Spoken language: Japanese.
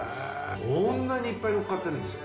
こんなにいっぱいのっかってるんですよ。